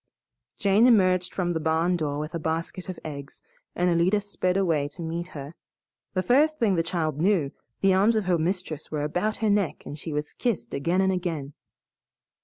Jane emerged from the barn door with a basket of eggs, and Alida sped away to meet her. The first thing the child knew the arms of her mistress were about her neck and she was kissed again and again.